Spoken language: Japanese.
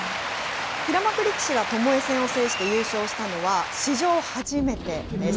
平幕力士がともえ戦を制して優勝したのは、史上初めてです。